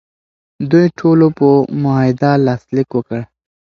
دوی ټولو په معاهده لاسلیک وکړ.